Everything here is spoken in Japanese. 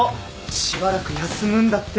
しばらく休むんだって。